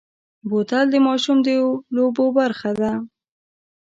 بوتل د ماشوم د لوبو برخه ده.